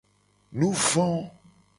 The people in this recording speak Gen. Nuvo.